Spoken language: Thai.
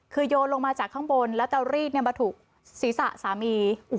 คือโยนลงมาจากข้างบนแล้วเตารีดมาถูกศีรษะสามี